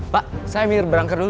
pak saya mirip berangkat dulu ya